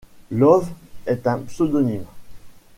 Love est un pseudonyme.